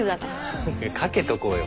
かけとこうよ。